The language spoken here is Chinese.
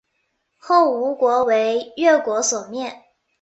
后吴国为越国所灭。